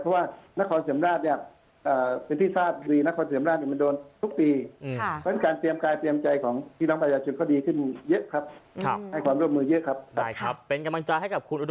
เพราะว่าหน้าขอนเศรือมราชเนี่ยเป็นที่ทราบดีหน้าขอนเศรือมราชมันโดนทุกปี